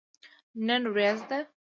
نن وريځ ده